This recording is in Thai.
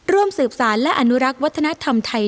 ร่วมสืบสารและอนุรักษ์วัฒนธรรมไทย